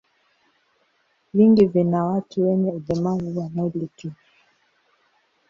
Vingi vina watu wenye ulemavu wa mwili tu.